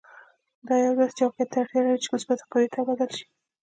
دا یو داسې چوکاټ ته اړتیا لري چې مثبتې قوې ته بدل شي.